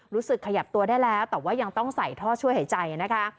รู้สึกขยับตัวได้แล้วแต่ว่ายังต้องใส่ท่อช่วยหายใจนะคะ